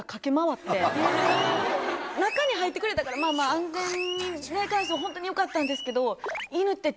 中に入ってくれたから安全に関してはホントによかったんですけど。